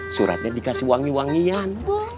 suratnya dikasih wangi wangian